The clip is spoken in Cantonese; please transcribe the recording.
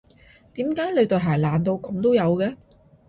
點解你對鞋爛到噉都有嘅？